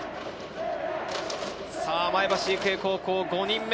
前橋育英高校５人目。